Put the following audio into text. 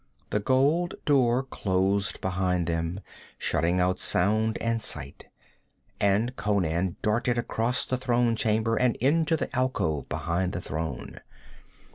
The gold door closed behind them, shutting out sound and sight, and Conan darted across the throne chamber and into the alcove behind the throne.